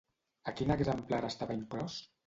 A quin exemplar estava inclòs?